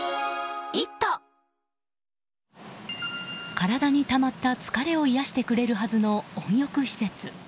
体にたまった疲れを癒やしてくれるはずの温浴施設。